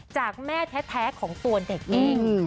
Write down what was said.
จากแม่แท้ของตัวเด็กเอง